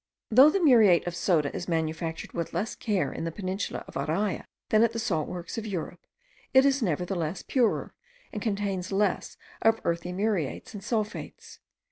Though the muriate of soda is manufactured with less care in the peninsula of Araya than at the salt works of Europe, it is nevertheless purer, and contains less of earthy muriates and sulphates.